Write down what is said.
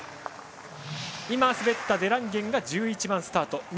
今、滑ったデランゲンが１１番スタート。